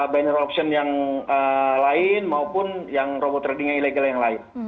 banner option yang lain maupun yang robot trading yang ilegal yang lain